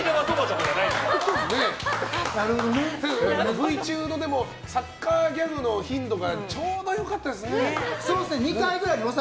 Ｖ中のサッカーギャグの頻度がちょうど良かったですね。